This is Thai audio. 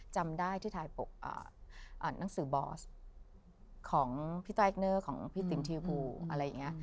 จำได้ที่ถ่ายหนังสือบอสของพี่ต้อยเนอร์ของพี่ติ๋มทีพูอะไรอย่างนี้